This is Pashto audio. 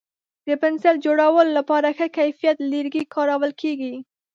د پنسل جوړولو لپاره ښه کیفیت لرګی کارول کېږي.